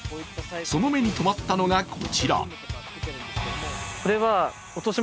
その目にとまったのがこちら。